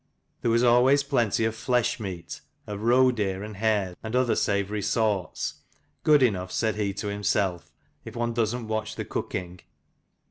There was always plenty of flesh meat, of roe deer and hares and other savoury sorts, good enough, said he to himself, if one does'nt watch the cooking.